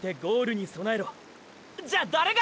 じゃあ誰が。